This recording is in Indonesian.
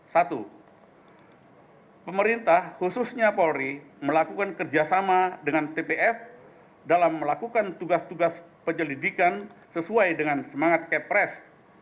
satu pemerintah khususnya polri melakukan kerjasama dengan tpf dalam melakukan tugas tugas penjelidikan sesuai dengan semangat kepres satu ratus sebelas dua ribu empat